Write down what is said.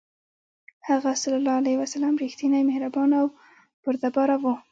هغه ﷺ رښتینی، مهربان او بردباره و.